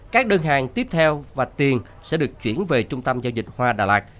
các đơn hàng tiếp theo và tiền sẽ được chuyển về trung tâm giao dịch hoa đà lạt